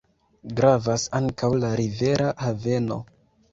Gravas ankaŭ la rivera haveno.